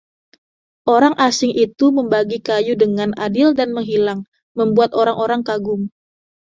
Orang asing itu membagi kayu dengan adil dan menghilang, membuat orang-orang kagum.